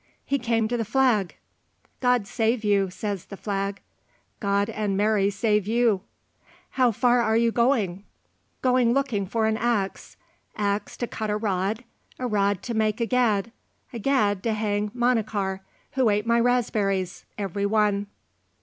He came to the flag. "God save you," says the flag. "God and Mary save you." "How far are you going?" "Going looking for an axe, axe to cut a rod, a rod to make a gad, a gad to hang Manachar, who ate my raspberries every one."